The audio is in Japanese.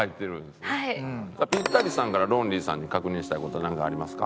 ピッタリさんからロンリーさんに確認したい事なんかありますか？